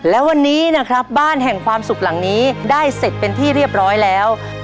และวันนี้นะครับบ้านแห่งความสุขหลังนี้ได้เสร็จเป็นที่เรียบร้อยแล้ว